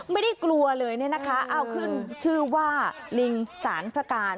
ไม่ได้กลัวเลยเนี่ยนะคะเอาขึ้นชื่อว่าลิงสารพระการ